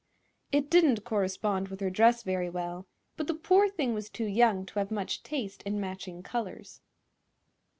It didn't correspond with her dress very well, but the poor thing was too young to have much taste in matching colors.